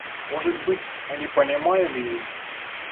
Может быть, мы не понимаем его.